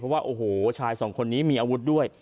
เพราะว่าโอ้โหชายสองคนนี้มีอาวุธด้วย